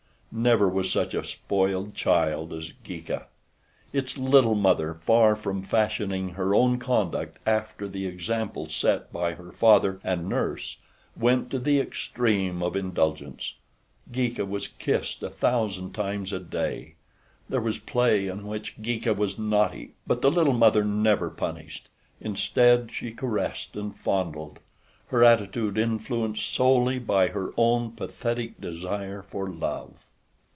Never was such a spoiled child as Geeka. Its little mother, far from fashioning her own conduct after the example set her by her father and nurse, went to the extreme of indulgence. Geeka was kissed a thousand times a day. There was play in which Geeka was naughty; but the little mother never punished. Instead, she caressed and fondled; her attitude influenced solely by her own pathetic desire for love.